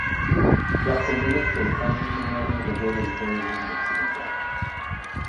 Las condenas provocaron un enorme revuelo en todo el mundo occidental.